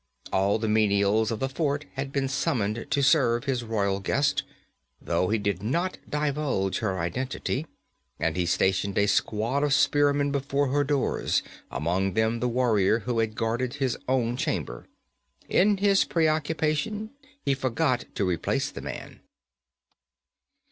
All the menials of the fort had been summoned to serve his royal guest though he did not divulge her identity and he stationed a squad of spearmen before her doors, among them the warrior who had guarded his own chamber. In his preoccupation he forgot to replace the man.